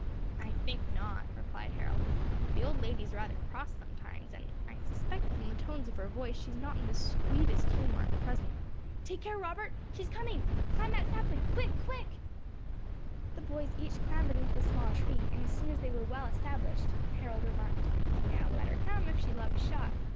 "I think not," replied Harold, "the old lady is rather cross sometimes, and I suspect from the tones of her voice she is not in the sweetest humour at the present. Take care, Robert, she is coming! Climb that sapling! Quick! Quick!" The boys each clambered into a small tree, and as soon as they were well established, Harold remarked, "Now let her come, if she loves shot.